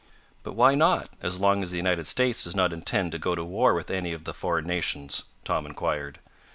"But why not, as long as the United States does not intend to go to war with any of the foreign nations?" Tom inquired.